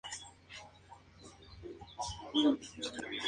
Sin embargo, el rey se encargo en persona de su Guardia Escocesa.